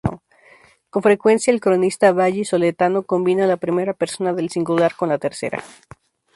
Con frecuencia, el cronista vallisoletano combina la primera persona del singular con la tercera.